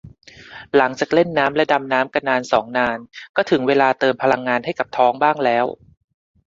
หลังจากเล่นน้ำและดำน้ำกันนานสองนาน ก็ถึงเวลาเติมพลังงานให้กับท้องบ้างแล้ว